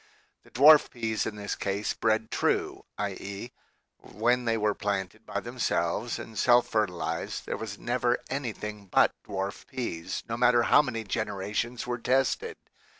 The dwarf peas in this case bred true, i.e. when they were planted by themselves and self fertilized there was never anything but dwarf peas, no matter how many generations were tested.